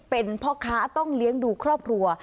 เป็นพ่อค้าต้องเลี้ยงดูครอบครัว